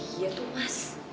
iya tuh mas